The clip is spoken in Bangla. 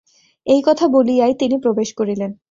এই কথা বলিয়াই তিনি প্রবেশ করিলেন।